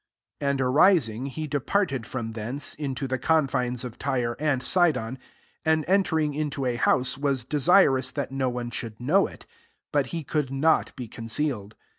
24 And arising, he departed from thence, into the confines of Tyre [and Sidon ;] and enter ing into a house, was desirous that no one should know it : but he could not be concealed.